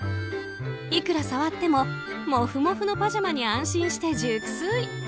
いくら触っても、モフモフのパジャマに安心して熟睡。